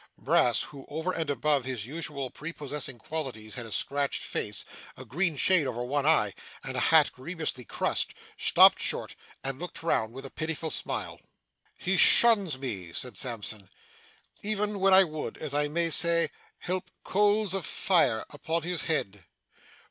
Brass, who over and above his usual prepossessing qualities, had a scratched face, a green shade over one eye, and a hat grievously crushed, stopped short, and looked round with a pitiful smile. 'He shuns me,' said Sampson, 'even when I would, as I may say, heap coals of fire upon his head.